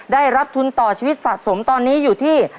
ได้รับทุนต่อชีวิตสะสมตอนนี้อยู่ที่